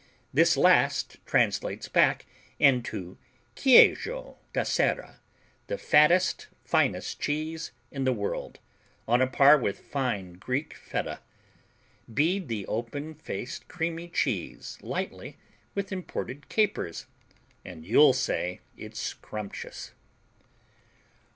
This last translates back into Queijo da Serra, the fattest, finest cheese in the world on a par with fine Greek Feta. Bead the open faced creamy cheese lightly with imported capers, and you'll say it's scrumptious.